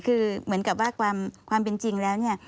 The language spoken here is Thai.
คือเหมือนกับว่าความเป็นจริงแล้วเนี่ย